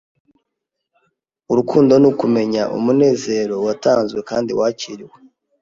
Urukundo ni ukumenya umunezero watanzwe kandi wakiriwe.